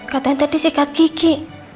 kata yang tadi sikat kiki